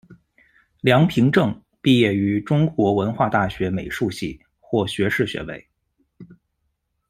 梁平正毕业于中国文化大学美术系，获学士学位。